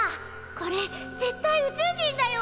これ絶対宇宙人だよ。